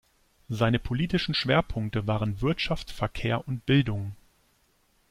Seine politischen Schwerpunkte waren Wirtschaft, Verkehr und Bildung.